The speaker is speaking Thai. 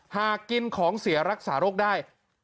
หากกินของเสียรักษาโรคได้